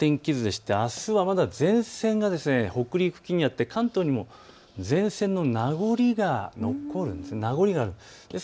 あすはまだ前線が北陸付近にあって関東にも前線の名残が残るんです。